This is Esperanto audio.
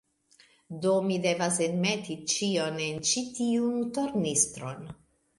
Do, mi devas enmeti ĉion en ĉi tiun tornistron.